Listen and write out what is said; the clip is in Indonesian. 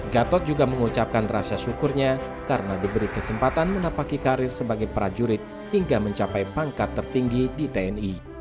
gatot juga mengucapkan rasa syukurnya karena diberi kesempatan menapaki karir sebagai prajurit hingga mencapai pangkat tertinggi di tni